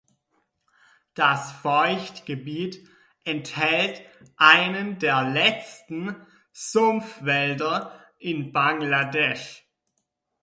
Das Feuchtgebiet enthält einen der letzten Sumpfwälder in Bangladesch.